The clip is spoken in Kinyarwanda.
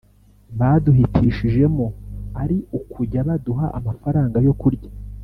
Baduhitishijemo ari ukujya baduha amafaranga yo kurya